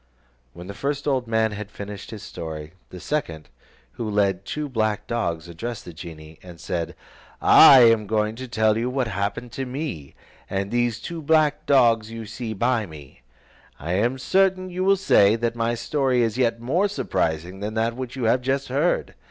When the first old man had finished his story, the second, who led the two black dogs, addressed the genie, and said: "I am going to tell you what happened to me, and these two black dogs you see by me; and I am certain you will say, that my story is yet more surprising than that which you have just heard.